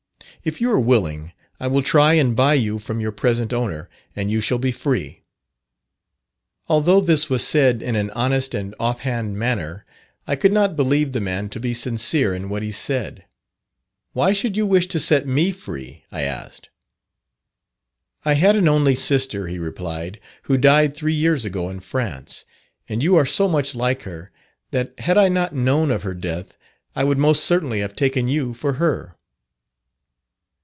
If you are willing, I will try and buy you from your present owner, and you shall be free.' Although this was said in an honest and off hand manner, I could not believe the man to be sincere in what he said. 'Why should you wish to set me free?' I asked. 'I had an only sister,' he replied, 'who died three years ago in France, and you are so much like her, that had I not known of her death, I would most certainly have taken you for her.'